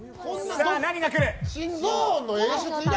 さあ、何が来る？